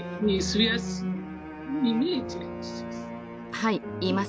はいいます。